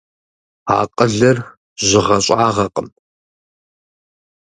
Акъылыр жьыгъэ-щӀагъэкъым.